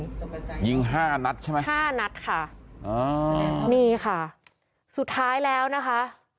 จะตกใจเสียงปืนยิงห้านัดใช่ไหมห้านัดค่ะอ๋อนี่ค่ะสุดท้ายแล้วนะคะ